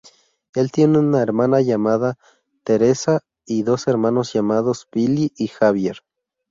Él tiene una hermana llamada Teresa y dos hermanos llamados Billie y Javier.